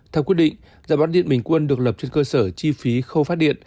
theo quyết định giá bán điện bình quân được lập trên cơ sở chi phí khâu phát điện